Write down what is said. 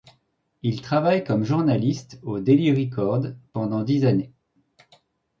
Il travaille comme journaliste au Daily Record pendant dix années.